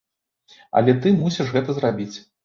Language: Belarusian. Але ты мусіш гэта зрабіць.